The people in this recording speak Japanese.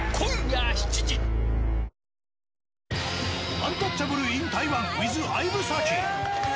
アンタッチャブルイン台湾ウィズ相武紗季。